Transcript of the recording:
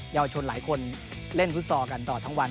ยาวชนหลายคนเล่นฟุตซอลกันตลอดทั้งวัน